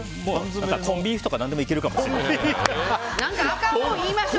コンビーフとか、何でもいけるかもしれないです。